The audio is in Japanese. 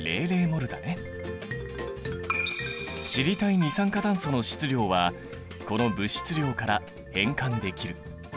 知りたい二酸化炭素の質量はこの物質量から変換できる。